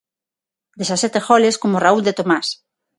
Dezasete goles como Raúl de Tomás.